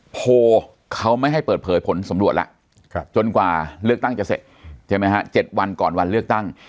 โพลเขาไม่ให้เปิดเผยผลสำรวจแล้วจนกว่าเลือกตั้งจะเสร็จใช่ไหมฮะ๗วันก่อนวันเลือกตั้ง